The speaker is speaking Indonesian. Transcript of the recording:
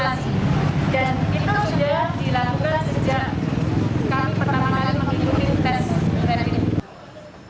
dan itu sudah dilakukan sejak kami pertama kali